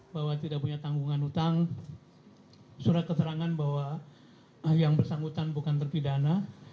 bahwa tidak punya tanggungan utang surat keterangan bahwa yang bersangkutan bukan terpidana